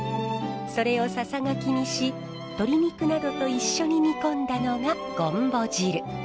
それをささがきにし鶏肉などと一緒に煮込んだのがごんぼ汁。